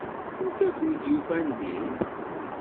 Anta i ken-id-yufan din?